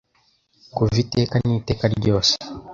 kuva iteka n’iteka ryose